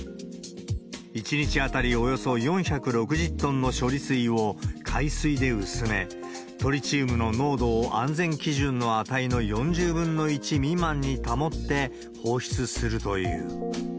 １日当たりおよそ４６０トンの処理水を海水で薄め、トリチウムの濃度を安全基準の値の４０分の１未満に保って放出するという。